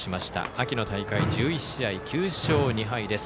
秋の大会、１１試合で９勝２敗です。